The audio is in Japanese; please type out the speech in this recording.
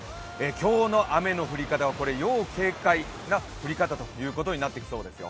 今日の雨の降り方は要警戒な降り方となってきそうですよ。